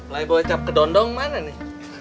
lai bocap ke dondong mana nih